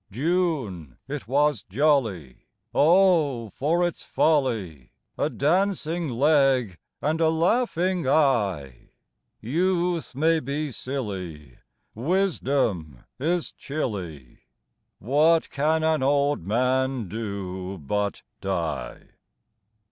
June it was jolly, Oh for its folly! A dancing leg and a laughing eye; Youth may be silly, Wisdom is chilly, What can an old man do but die?